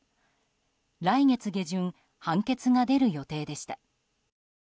来月下旬判決が出る予定でした。